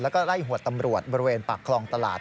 แล้วก็ไล่หวดตำรวจบริเวณปากคลองตลาด